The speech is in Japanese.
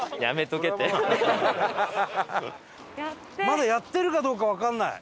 まだやってるかどうかわかんない。